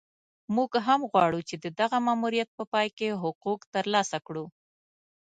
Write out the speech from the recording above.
موږ هم غواړو چې د دغه ماموریت په پای کې حقوق ترلاسه کړو.